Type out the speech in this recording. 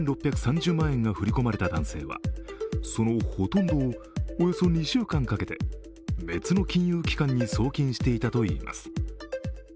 先月８日４６３０万円が振り込まれた男性はそのほとんどをおよそ２週間掛けて別の金融機関に送金していたといいます。